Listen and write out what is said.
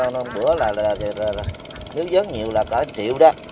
năm bữa là nếu vấn nhiều là cả một triệu đó